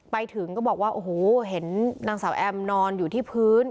ไปถึงก็บอกว่าโอ้โหเห็นนางสาวแอมนอนอยู่ที่พื้น